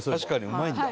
うまいんだ？